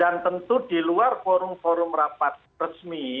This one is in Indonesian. dan tentu di luar forum forum rapat resmi